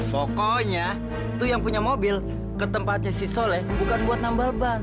pokoknya itu yang punya mobil ke tempatnya si soleh bukan buat nambal ban